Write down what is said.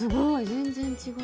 全然違う。